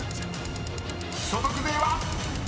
［所得税は⁉］